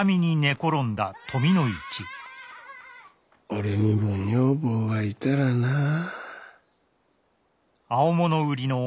・俺にも女房がいたらなあ。